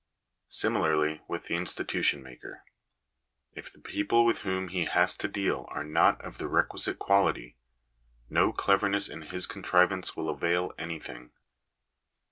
Similarly with the institution maker. If the people with whom he has to deal are not of the requisite quality, no cleverness in his contrivance will avail anything.